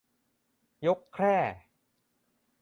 ยกแคร่